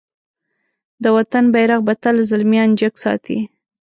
د وطن بېرغ به تل زلميان جګ ساتی.